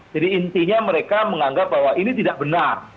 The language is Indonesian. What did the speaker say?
jadi intinya mereka menganggap bahwa ini tidak benar